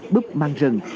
búp mang rừng